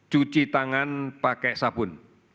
cuci tangan pakai sabun